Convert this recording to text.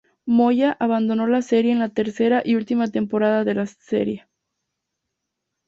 Moya abandonó la serie en la tercera y última temporada de la serie.